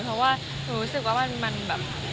เพราะว่าหนูรู้สึกว่ามันแบบ